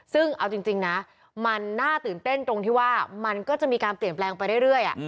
ซึ่งเอาจริงนะมันน่าตื่นเต้นตรงที่ว่ามันก็จะมีการเปลี่ยนแปลงไปเรื่อย